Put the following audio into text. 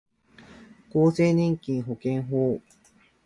厚生年金保険法